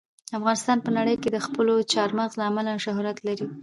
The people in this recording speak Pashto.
افغانستان په نړۍ کې د خپلو چار مغز له امله شهرت لري.